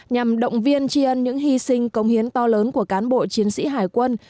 nhằm động viên tri ân những hy sinh công hiến to lớn của cán bộ chiến sĩ hải quân